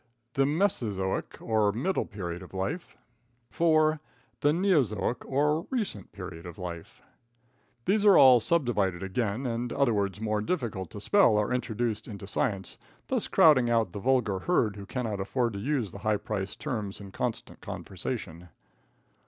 The Mesozoic or middle period of life. 4. The Neozoic or recent period of life. These are all subdivided again, and other words more difficult to spell are introduced into science, thus crowding out the vulgar herd who cannot afford to use the high priced terms in constant conversation.